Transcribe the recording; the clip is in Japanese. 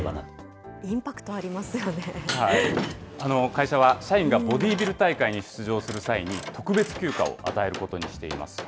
会社は、社員がボディービル大会に出場する際に、特別休暇を与えることにしています。